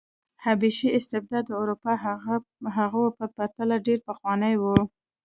حبشي استبداد د اروپايي هغو په پرتله ډېر پخوانی و.